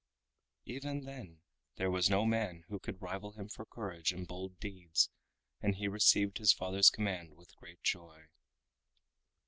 Even then there was no man who could rival him for courage and bold deeds, and he received his father's command with great joy.